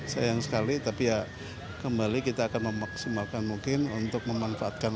sayang sekali tapi ya kembali kita akan memaksimalkan mungkin untuk memanfaatkan